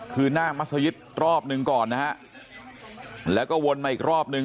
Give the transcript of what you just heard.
คือหน้ามัศยิตรอบหนึ่งก่อนนะฮะแล้วก็วนมาอีกรอบนึง